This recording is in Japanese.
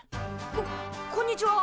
ここんにちは。